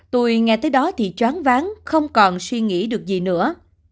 tùy nghe tới đó thì chóng ván không còn suy nghĩ được gì nữa